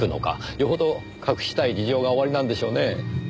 よほど隠したい事情がおありなんでしょうねぇ。